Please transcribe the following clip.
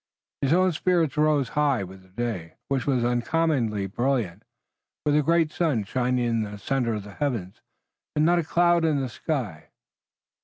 His own spirits rose high with the day, which was uncommonly brilliant, with a great sun shining in the center of the heavens, and not a cloud in the sky.